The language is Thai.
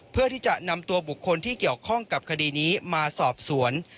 เพื่อที่จะนำตัวบุคคลที่เกี่ยวข้องกับคดีนี้มาสอบสวน